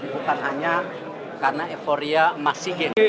bukan hanya karena euforia masih geng